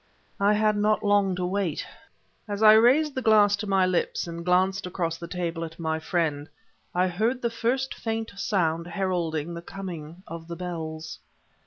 I had not long to wait. As I raised the glass to my lips and glanced across the table at my friend, I heard the first faint sound heralding the coming of the bells.